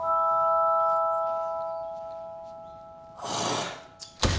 ああ！